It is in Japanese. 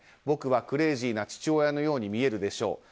僕はクレイジーな父親のように見えるでしょう。